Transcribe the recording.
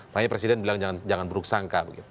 makanya presiden bilang jangan buruk sangka begitu